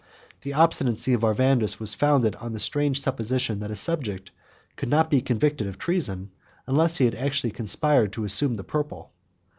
The obstinacy of Arvandus was founded on the strange supposition, that a subject could not be convicted of treason, unless he had actually conspired to assume the purple.